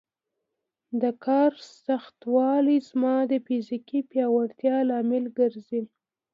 د کار سختوالی زما د فزیکي پیاوړتیا لامل ګرځي.